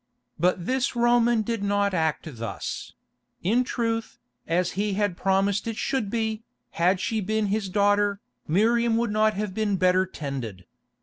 But this Roman did not act thus; in truth, as he had promised it should be, had she been his daughter, Miriam would not have been better tended.